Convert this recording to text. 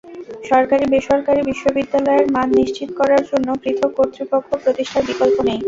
সরকারি-বেসরকারি বিশ্ববিদ্যালয়ের মান নিশ্চিত করার জন্য পৃথক কর্তৃপক্ষ প্রতিষ্ঠার বিকল্প নেই।